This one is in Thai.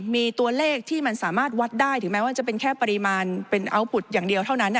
มีตัวเลขที่มันสามารถวัดได้ถึงแม้ว่าจะเป็นแค่ปริมาณเป็นอัลบุตรอย่างเดียวเท่านั้น